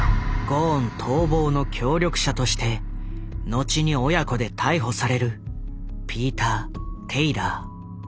ゴーン逃亡の協力者として後に親子で逮捕されるピーター・テイラー。